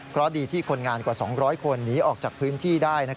เพราะดีที่คนงานกว่า๒๐๐คนหนีออกจากพื้นที่ได้